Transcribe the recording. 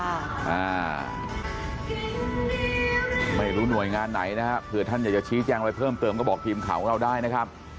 อ่าไม่รู้หน่วยงานไหนนะฮะเผื่อท่านอยากจะชี้แจงอะไรเพิ่มเติมก็บอกทีมข่าวของเราได้นะครับ